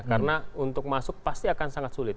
karena untuk masuk pasti akan sangat sulit